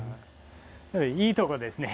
いいとこですね